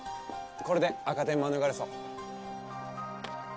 これで赤点免れそう